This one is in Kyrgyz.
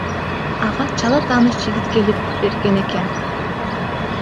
Ага чала тааныш жигит келип берген экен.